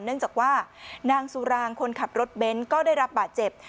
เนื่องจากว่านางสุรางคนขับรถเบนท์ก็ได้รับบาดเจ็บ